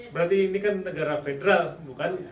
berarti ini kan negara federal bukannya